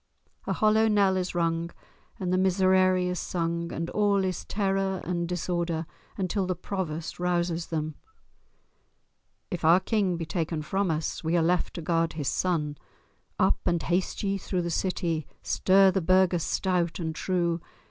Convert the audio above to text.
A hollow knell is rung and the miserere is sung, and all is terror and disorder until the Provost rouses them. "If our King be taken from us, We are left to guard his son. Up! and haste ye through the city, Stir the burghers stout and true!